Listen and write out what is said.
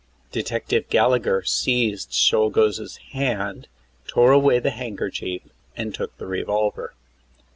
Detective Gallagher seized Czolgosz's hand, tore away the handkerchief and took the revolver.